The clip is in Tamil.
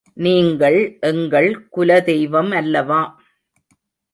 நீங்கள் எங்கள் குலதெய்வமல் லவா?